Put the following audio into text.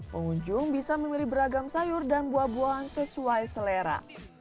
pengunjung bisa memilih beragam sayur dan buah buahan sesuai selera